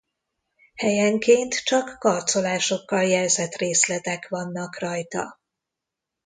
Helyenként csak karcolásokkal jelzett részletek vannak rajta.